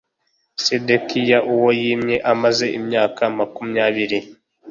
Sedekiya uwo yimye amaze imyaka makumyabiri